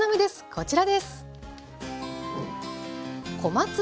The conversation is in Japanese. こちらです。